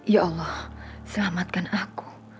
ya allah selamatkan aku